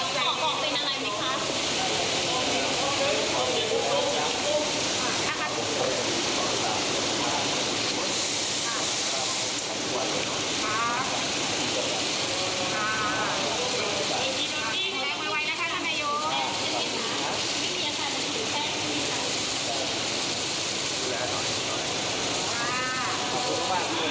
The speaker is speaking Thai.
ดรวมนี้ดูดลิ้งแบงก์ไวไวด้นะคะท่านมายุ